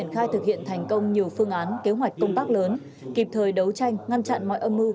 kế hoạch công tác lớn kịp thời đấu tranh ngăn chặn mọi âm mưu